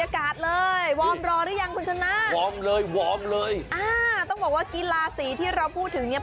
กีฬา๔ที่เราบอกถึง